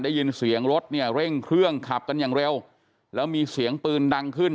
ได้ยินเสียงรถเนี่ยเร่งเครื่องขับกันอย่างเร็วแล้วมีเสียงปืนดังขึ้น